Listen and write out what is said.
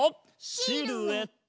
シルエット！